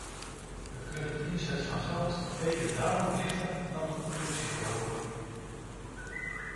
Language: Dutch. We kunnen de inzet van geld beter daarop richten dan op productieverhoging.